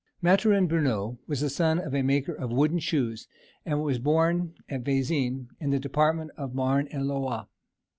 Mathurin Bruneau was the son of a maker of wooden shoes, and was born at Vezin, in the department of the Marne et Loire.